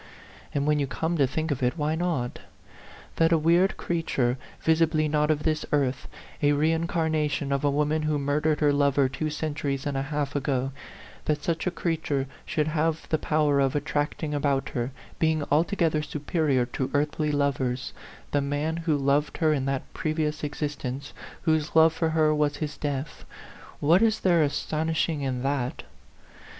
And when you come to think of it, why not? That a weird creat ure, visibly not of this earth, a reincarnation of a woman who murdered her lover two centuries and a half ago, that such a creature should have the power of attracting about her (being altogether superior to earthly lovers) the man who loved her in that pre vious existence, whose love for her was his death what is there astonishing in that?